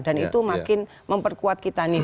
dan itu makin memperkuat kita nih